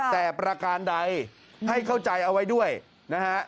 แต่ประการใดให้เข้าใจเอาไว้ด้วยนะฮะ